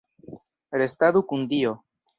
Restadu kun Dio!